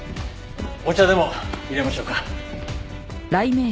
お茶でも入れましょうか。